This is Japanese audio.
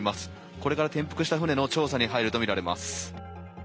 これから転覆した舟の調査に入るとみられます。